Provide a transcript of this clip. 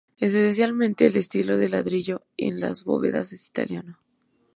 Especialmente, el estilo de ladrillo en las bóvedas es italiano.